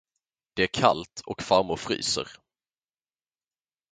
Det är kallt och farmor fryser.